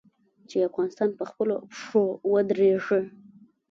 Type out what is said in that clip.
چې افغانستان په خپلو پښو ودریږي.